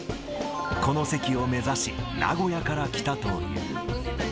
この席を目指し、名古屋から来たという。